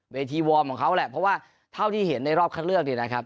เวทีวอร์มของเขาแหละเพราะว่าเท่าที่เห็นในรอบคัดเลือกเนี่ยนะครับ